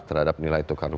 terhadap nilai tukar rupiah